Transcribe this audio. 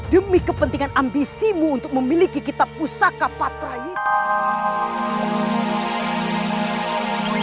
demi kepentingan ambisimu untuk memiliki kitab pusaka patra itu